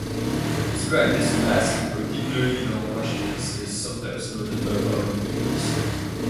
His practice of asking particularly long questions is sometimes noted by commentators.